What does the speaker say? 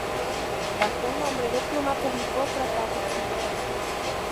Bajo un nombre de pluma publicó tratados filosóficos.